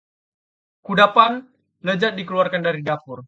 Kudapan lezat dikeluarkan dari dapur